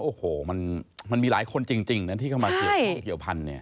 โอ้โหมันมีหลายคนจริงนะที่เข้ามาเกี่ยวพันธุ์เนี่ย